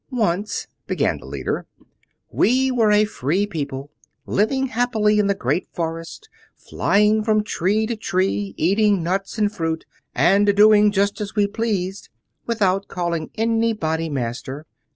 "Once," began the leader, "we were a free people, living happily in the great forest, flying from tree to tree, eating nuts and fruit, and doing just as we pleased without calling anybody master.